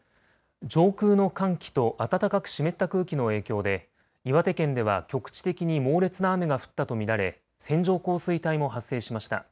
上空の寒気と暖かく湿った空気の影響で岩手県では局地的に猛烈な雨が降ったと見られ線状降水帯も発生しました。